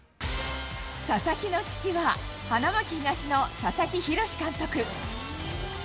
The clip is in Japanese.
佐々木の父は、花巻東の佐々木洋監督。